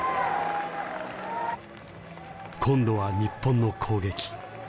今度は日本の攻撃。